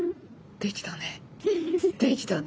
できたね。